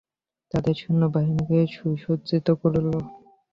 তাদের সৈন্যবাহিনীকে সুসজ্জিত করল।